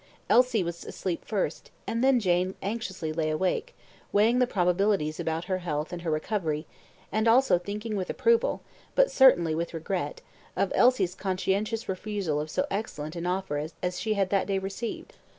Elsie was asleep first, and then Jane anxiously lay awake, weighing the probabilities about her health and her recovery, and also thinking with approval, but certainly with regret, of Elsie's conscientious refusal of so excellent an offer as she had that day received.